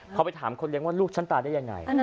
พอไปถามคนเลี้ยงว่าลูกฉันตายได้ยังไง